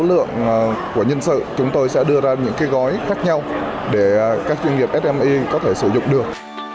lượng của nhân sự chúng tôi sẽ đưa ra những cái gói khác nhau để các doanh nghiệp sme có thể sử dụng được